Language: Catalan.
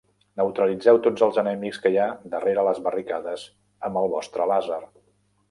Neutralitzeu tots els enemics que hi ha darrere les barricades amb el vostre làser.